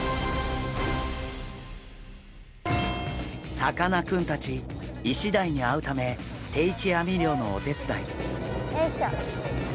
さかなクンたちイシダイに会うため定置網漁のお手伝い。